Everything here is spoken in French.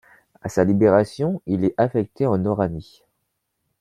À sa libération, il est affecté en Oranie.